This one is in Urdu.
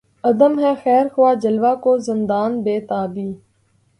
عدم ہے خیر خواہ جلوہ کو زندان بیتابی